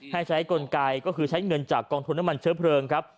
ให้ใช้กลไกก็คือใช้เงินจากกองทุนน้ำมันเชื้อเพลิงครับ